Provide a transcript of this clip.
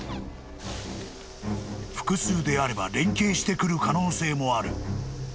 ［複数であれば連携してくる可能性もある］